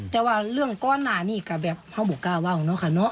แต่ว่าเรื่องก่อนหน้านี้ก็แบบเขาบอกกล้าว่าวเนอะค่ะเนอะ